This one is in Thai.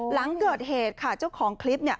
หลังเกิดเหตุค่ะเจ้าของคลิป